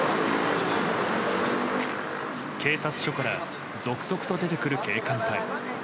警察署から続々と出てくる警官隊。